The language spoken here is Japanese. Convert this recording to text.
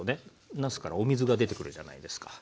なすからお水が出てくるじゃないですか。